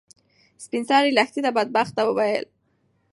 سپین سرې لښتې ته بدبخته وویل.